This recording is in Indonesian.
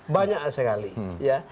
banyak sekali ya